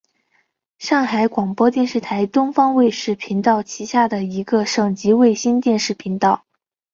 上海广播电视台东方卫视频道旗下的一个省级卫星电视频道。